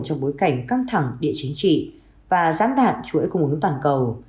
trong bối cảnh căng thẳng địa chính trị và giám đạn chuỗi cung ứng toàn cầu